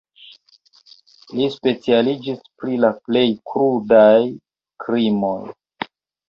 Li specialiĝis pri la plej krudaj krimoj.